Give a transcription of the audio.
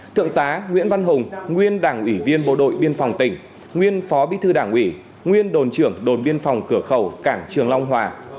thượng tá nguyễn văn hùng nguyên đảng ủy viên bộ đội biên phòng tỉnh nguyên phó bí thư đảng ủy nguyên đồn trưởng đồn biên phòng cửa khẩu cảng trường long hòa